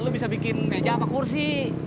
lu bisa bikin meja apa kursi